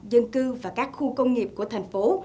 dân cư và các khu công nghiệp của thành phố